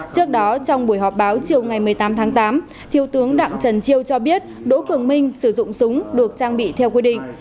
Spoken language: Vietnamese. trước đó trong buổi họp báo chiều ngày một mươi tám tháng tám thiếu tướng đặng trần triều cho biết đỗ cường minh sử dụng súng được trang bị theo quy định